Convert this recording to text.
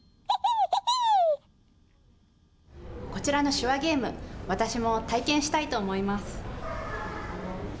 こちらの手話ゲーム、私も体験したいと思います。